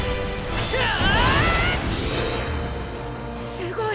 すごい！